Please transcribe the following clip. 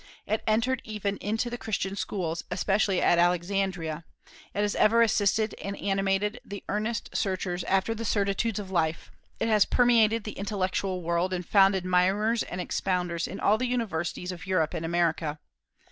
It entered even into the Christian schools, especially at Alexandria; it has ever assisted and animated the earnest searchers after the certitudes of life; it has permeated the intellectual world, and found admirers and expounders in all the universities of Europe and America.